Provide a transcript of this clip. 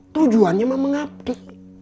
tujuannya mah mengabdi